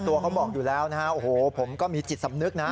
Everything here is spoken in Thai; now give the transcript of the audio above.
ตัวเขาบอกอยู่แล้วนะครับผมก็มีจิตสำนึกนะ